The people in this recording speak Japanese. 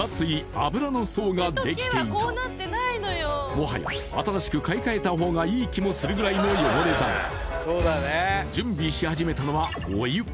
もはや新しく買い換えた方がいい気もするぐらいの汚れだが準備し始めたのは、お湯。